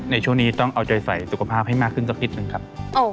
ในช่วงนี้ต้องเอาใจใส่สุขภาพให้มากขึ้นสักนิดนึงครับ